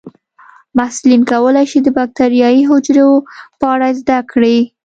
محصلین کولی شي د بکټریايي حجرو په اړه زده کړي.